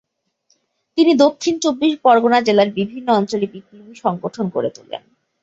তিনি দক্ষিণ চব্বিশ পরগণা জেলার বিভিন্ন অঞ্চলে বিপ্লবী সংগঠন গড়ে তোলেন।